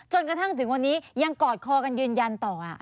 จนกระทั่งถึงวันนี้ยังกอดคอกันยืนยันต่อ